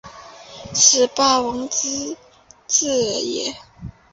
此霸王之资也。